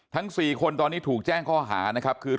ทั้ง๔คนตอนนี้ถูกแจ้งข้อหาคือ